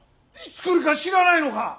いつ来るか知らないのか。